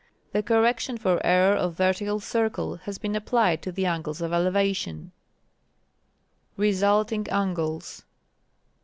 The correction for error of vertical circle has been applied to the angles of elevation. Resulting Angles.